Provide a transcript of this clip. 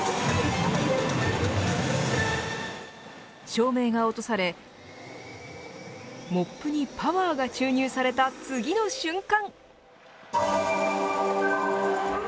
照明が落とされモップにパワーが注入された次の瞬間。